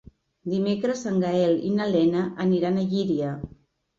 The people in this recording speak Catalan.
Dimecres en Gaël i na Lena aniran a Llíria.